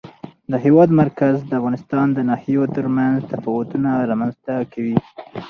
د هېواد مرکز د افغانستان د ناحیو ترمنځ تفاوتونه رامنځ ته کوي.